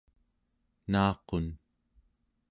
naaqun